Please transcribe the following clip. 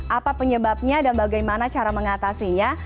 apa penyebabnya dan bagaimana cara mengatasinya